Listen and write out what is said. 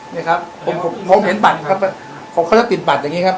นี่ครับผมผมเห็นบัตรครับของเขาจะติดบัตรอย่างนี้ครับ